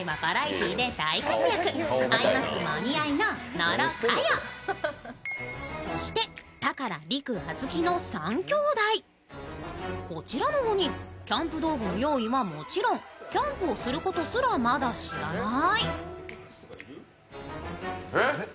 今回パパを務めるのはこちらの５人、キャンプ道具の用意はもちろんキャンプをすることすらまだ知らない。